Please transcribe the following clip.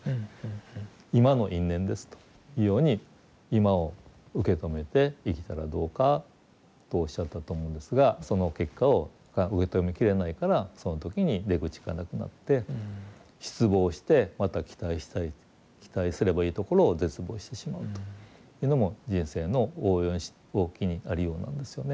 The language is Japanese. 今の因縁ですというように今を受け止めて生きたらどうかとおっしゃったと思うんですがその結果が受け止めきれないからその時に出口がなくなって失望してまた期待したり期待すればいいところを絶望してしまうというのも人生の大きいありようなんですよね。